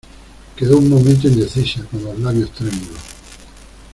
quedó un momento indecisa, con los labios trémulos.